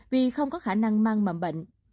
vì không có khả năng mang mầm bệnh